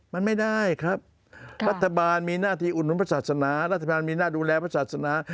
มันไม่ได้ครับรัฐบาลมีหน้าที่อุดหนุนพระศาสนารัฐบาลมีหน้าดูแลพระศาสนา